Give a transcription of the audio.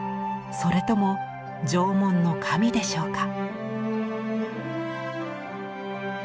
それとも縄文の神でしょうか。